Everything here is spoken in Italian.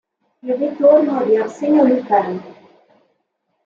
Il ritorno di Arsenio Lupin